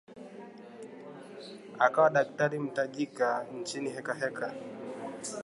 Akawa daktari mtajika nchini Hekaheka